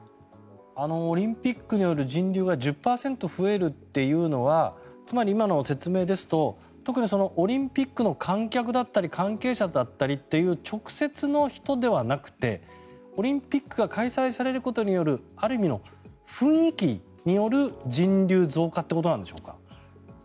オリンピックによる人流が１０％増えるというのはつまり、今の説明ですと特にオリンピックの観客だったり関係者だったりという直接の人ではなくてオリンピックが開催されることによるある意味の、雰囲気による人流増加ということなんでしょうか？